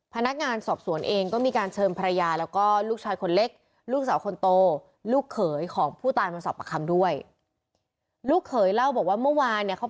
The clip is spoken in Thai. พนักงานสอบสวนเองก็มีการเชิญภรรยาแล้วก็ลูกชายคนเล็ก